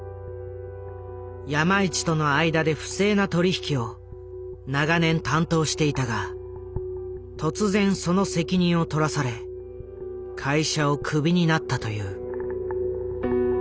山一との間で不正な取り引きを長年担当していたが突然その責任を取らされ会社をクビになったという。